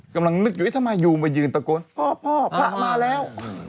กำลังนึกอยู่ทำไมยูมายืนตะโกนพ่อพ่อพระมาแล้ว